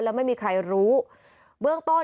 แล้วไม่มีใครรู้เบื้องต้น